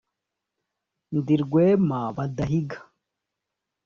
ndi rwema badahiga